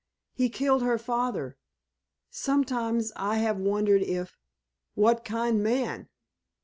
He killed her father. Sometimes I have wondered if——" "What kind man?"